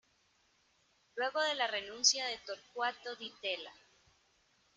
Luego de la renuncia de Torcuato Di Tella.